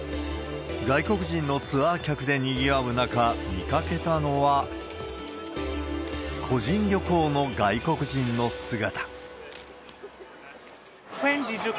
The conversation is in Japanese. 外国人のツアー客でにぎわう中、見かけたのは、個人旅行の外国人の姿。